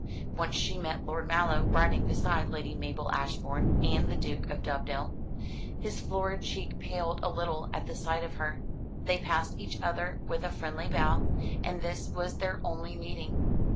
Once she met Lord Mallow, riding beside Lady Mabel Ashbourne and the Duke of Dovedale. His florid cheek paled a little at the sight of her. They passed each other with a friendly bow, and this was their only meeting.